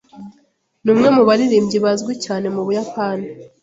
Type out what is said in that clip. Ni umwe mu baririmbyi bazwi cyane mu Buyapani.